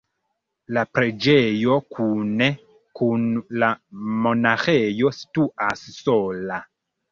La preĝejo kune kun la monaĥejo situas sola.